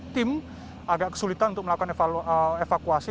tim agak kesulitan untuk melakukan evakuasi